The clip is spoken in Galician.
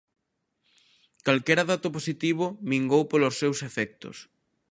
Calquera dato positivo minguou polos seus efectos.